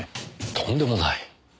とんでもない。